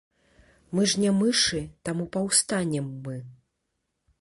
Мы ж не мышы, таму паўстанем мы.